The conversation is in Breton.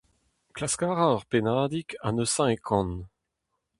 Klask a ra ur pennadig ha neuze e kan :